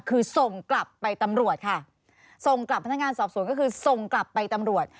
คือส่งกลับไปตำรวจค่ะส่งกลับพนักงานสอบสวนก็คือส่งกลับไปตำรวจ